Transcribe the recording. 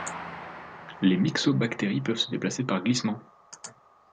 Les myxobactéries peuvent se déplacer par glissement.